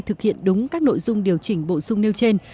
thực hiện đúng các nội dung điều chỉnh bổ sung nêu trên